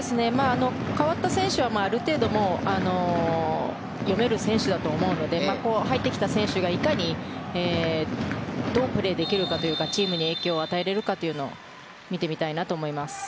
代わった選手は、ある程度読める選手だと思うので入ってきた選手が、いかにどうプレーできるかというかチームに影響を与えられるかを見てみたいなと思います。